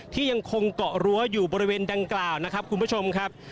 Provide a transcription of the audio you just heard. ยังคงเกาะรั้วอยู่บริเวณดังกล่าวนะครับคุณผู้ชมครับ